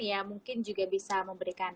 ya mungkin juga bisa memberikan